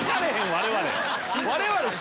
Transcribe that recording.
我々。